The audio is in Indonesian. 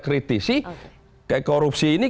kritisi kayak korupsi ini